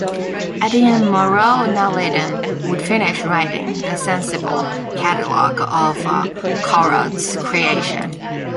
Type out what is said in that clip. Etienne Moreau-Nélaton would finish writing the sensible catalog of Corot’s creation.